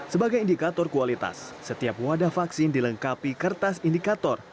sebagai indikator kualitas setiap wadah vaksin dilengkapi kertas indikator